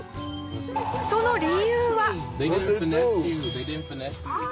その理由は。ああ！